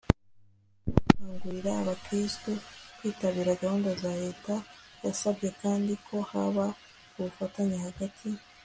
bajya bakangurira abakristu kwitabira gahunda za leta. yasabye kandi ko haba ubufatanye hagati